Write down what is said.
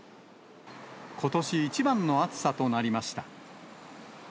ことし一番の暑さとなりました。